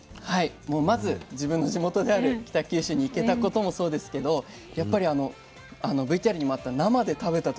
もうまず自分の地元である北九州に行けたこともそうですけどやっぱりＶＴＲにもあった生で食べた時の甘さとかが衝撃でしたね。